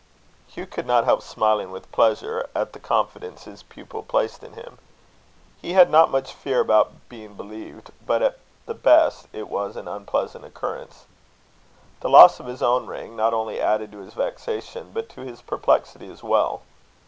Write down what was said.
Hugh could not help smiling with pleasure at the confidence his pupil placed in him. He had not much fear about being believed, but, at the best, it was an unpleasant occurrence. The loss of his own ring not only added to his vexation, but to his perplexity as well.